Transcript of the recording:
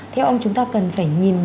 theo ông chúng ta cần phải nhìn thấy là